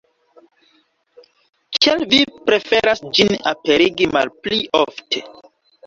Kial vi preferas ĝin aperigi malpli ofte?